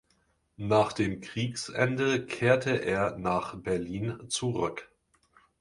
Nach dem Kriegsende kehrte er nach Berlin zurück.